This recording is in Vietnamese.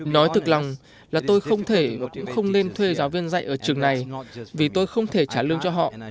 nói thực lòng là tôi không thể cũng không nên thuê giáo viên dạy ở trường này vì tôi không thể trả lương cho họ